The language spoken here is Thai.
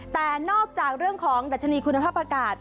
แต่นอกจากเรื่องของดัชนีคุณภาพอากาศ